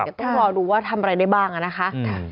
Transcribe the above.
จะต้องรอดูว่าทำอะไรได้บ้างอ่ะนะคะ